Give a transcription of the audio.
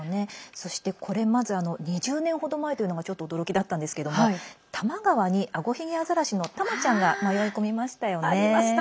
そして、これ、まず２０年ほど前というのがちょっと驚きだったんですけども多摩川に、アゴヒゲアザラシのタマちゃんが迷い込みましたよね。